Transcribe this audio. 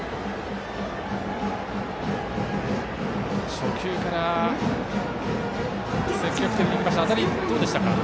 初球から積極的に行きましたが当たりはどうですか。